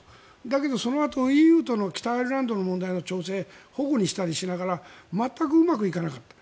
だけど、そのあとＥＵと北アイルランドの調整を反故にしたりしながら全くうまくいかなかった。